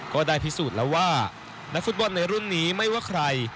ก็ได้พิสูจน์แล้วว่านักฟุตบอลในรุ่นนี้ไม่ว่าใคร